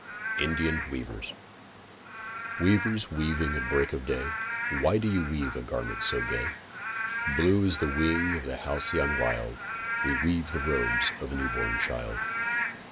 INDIAN WEAVERS Weavers, weaving at break of day, Why do you weave a garment so gay? ... Blue as the wing of a halcyon wild, We weave the robes of a new born child.